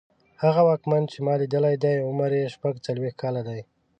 هغه واکمن چې ما لیدلی دی عمر یې شپږڅلوېښت کاله دی.